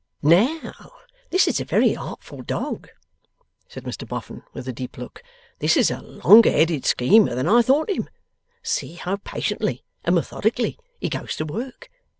'Now, this is a very artful dog,' said Mr Boffin, with a deep look. 'This is a longer headed schemer than I thought him. See how patiently and methodically he goes to work.